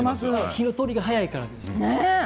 火の通りが早いからです。